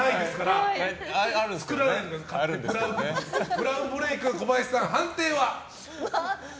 ブラウンブレークは小林さん、判定は？